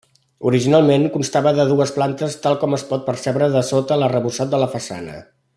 Originalment constava de dues plantes tal com es pot percebre dessota l'arrebossat de la façana.